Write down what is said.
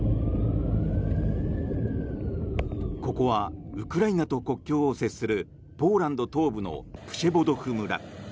ここはウクライナと国境を接するポーランド東部のプシェボドフ村。